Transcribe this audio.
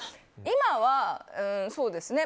今は、そうですね。